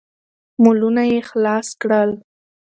مولونه يې خلاص کړل.